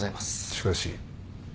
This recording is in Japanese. しかし。